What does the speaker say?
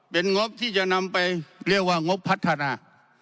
เป็นงบที่จะนำไปเรียกว่างบพัฒนา